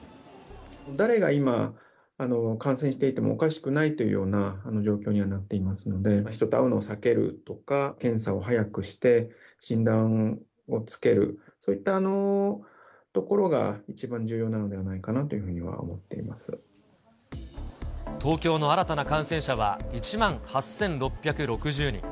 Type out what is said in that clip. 誰が今、感染していてもおかしくないというような状況にはなっていますので、人と会うのを避けるとか、検査を早くして、診断をつける、そういったところが一番重要なのではないかなというふうに思って東京の新たな感染者は１万８６６０人。